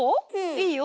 いいよ。